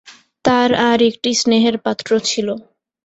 তাঁর আর-একটি স্নেহের পাত্র ছিল।